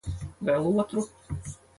Vēl otru?